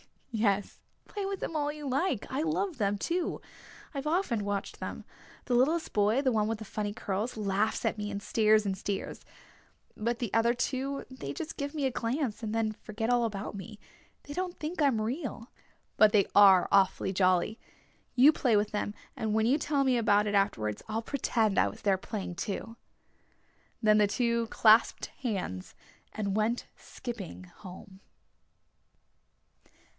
"Yes, play with them all you like! I love them, too. I've often watched them. The littlest boy, the one with the funny curls, laughs at me and stares and stares. But the other two ... they just give me a glance and then forget all about me. They don't think I'm real. But they are awfully jolly. You play with them and when you tell me about it afterwards I'll pretend I was there playing too." Then the two clasped hands and went skipping home.